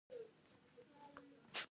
د کیسو ژبه باید تصویري وي.